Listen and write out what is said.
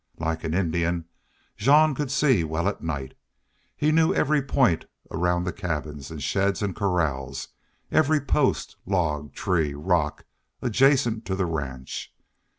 Like an Indian, Jean could see well at night. He knew every point around cabins and sheds and corrals, every post, log, tree, rock, adjacent to the ranch.